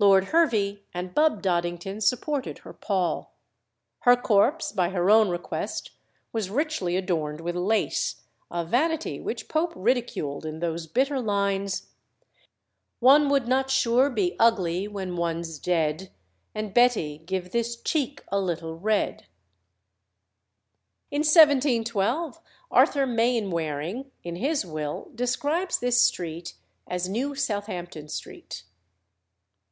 Lord Hervey and Bubb Doddington supported her pall. Her corpse, by her own request, was richly adorned with lace a vanity which Pope ridiculed in those bitter lines "One would not sure be ugly when one's dead; And, Betty, give this cheek a little red." In 1712 Arthur Maynwaring, in his will, describes this street as New Southampton Street.